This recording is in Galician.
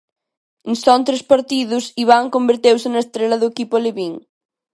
En só tres partidos, Iván converteuse na estrela do equipo alevín.